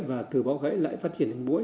và từ bọ gãy lại phát triển thành mũi